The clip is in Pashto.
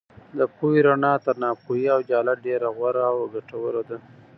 د پوهې رڼا تر ناپوهۍ او جهالت ډېره غوره او ګټوره ده.